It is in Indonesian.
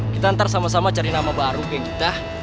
kita ntar sama sama cari nama baru geng kita